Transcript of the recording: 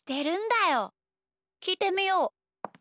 きいてみよう。